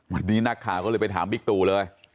วันนี้นักข่าวก็เลยไปถามบิ๊กตู่เลย